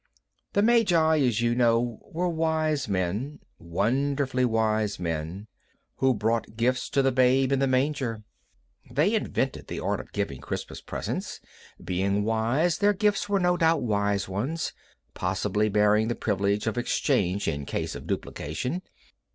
The magi, as you know, were wise men—wonderfully wise men—who brought gifts to the Babe in the manger. They invented the art of giving Christmas presents. Being wise, their gifts were no doubt wise ones, possibly bearing the privilege of exchange in case of duplication.